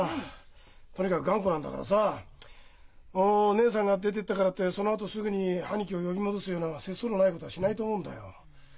義姉さんが出ていったからってそのあとすぐに兄貴を呼び戻すような節操のないことはしないと思うんだよ。